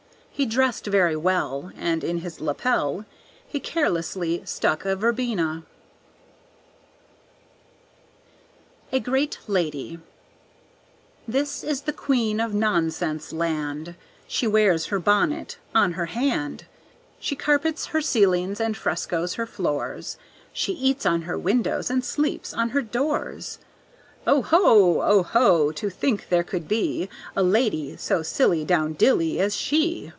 He dressed very well, And in his lapel He carelessly stuck a verbena. A Great Lady This is the Queen of Nonsense Land, She wears her bonnet on her hand; She carpets her ceilings and frescos her floors, She eats on her windows and sleeps on her doors. Oh, ho! Oh, ho! to think there could be A lady so silly down dilly as she!